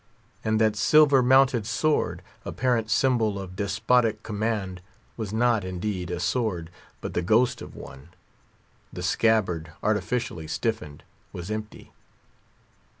And that silver mounted sword, apparent symbol of despotic command, was not, indeed, a sword, but the ghost of one. The scabbard, artificially stiffened, was empty.